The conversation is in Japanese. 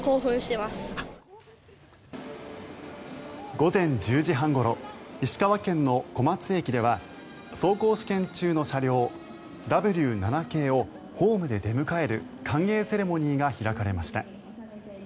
午前１０時半ごろ石川県の小松駅では走行試験中の車両、Ｗ７系をホームで出迎える歓迎セレモニーが開かれました。